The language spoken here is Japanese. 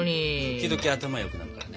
時々頭よくなるからね。